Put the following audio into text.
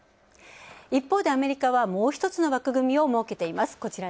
一方でアメリカはもう一つの枠組みを設けています。